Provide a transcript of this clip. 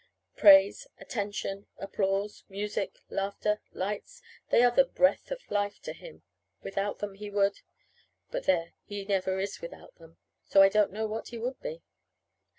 Praise, attention, applause, music, laughter, lights they are the breath of life to him. Without them he would But, there, he never is without them, so I don't know what he would be.